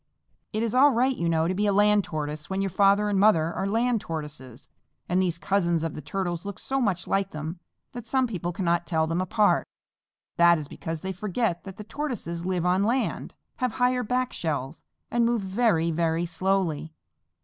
It is all right, you know, to be a Land Tortoise when your father and mother are Land Tortoises, and these cousins of the Turtles look so much like them that some people cannot tell them apart. That is because they forget that the Tortoises live on land, have higher back shells, and move very, very slowly.